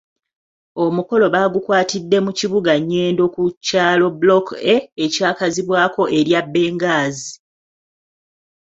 Omukolo baagukwatidde mu kibuga Nyendo ku kyalo Block A ekyakazibwako erya Benghazi.